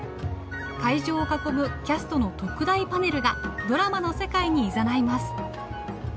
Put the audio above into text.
会場を囲むキャストの特大パネルがドラマの世界にいざないます。